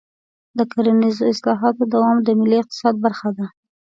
د کرنیزو اصلاحاتو دوام د ملي اقتصاد برخه ده.